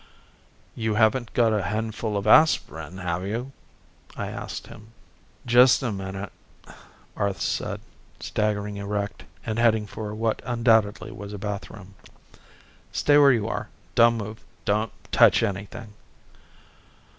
"You haven't got a handful of aspirin, have you?" I asked him. "Just a minute," Arth said, staggering erect and heading for what undoubtedly was a bathroom. "Stay where you are. Don't move. Don't touch anything."